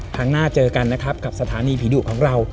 ครั้งหน้าเจอกันนะครับกับสถานีผีดุของเรา